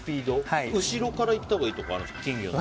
後ろから行ったほうがいいとかあるんですか？